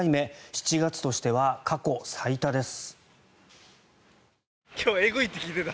７月としては過去最多です。